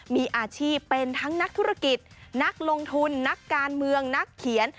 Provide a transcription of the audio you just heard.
มีอาชีพเป็นทั้งนักธุรกิจนักลงทุนนักการเมืองนักเขียน